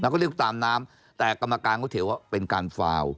ก็เรียกตามน้ำแต่กรรมการก็ถือว่าเป็นการฟาว